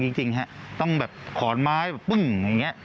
จริงฮะต้องแบบขอนไม้แบบปึ้งอย่างนี้